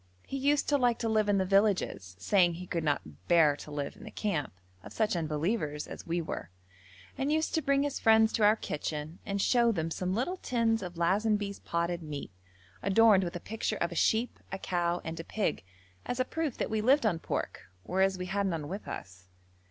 He used to like to live in the villages, saying he could not bear to live in the camp of such unbelievers as we were, and used to bring his friends to our kitchen and show them some little tins of Lazenby's potted meat, adorned with a picture of a sheep, a cow, and a pig, as a proof that we lived on pork, whereas we had none with us.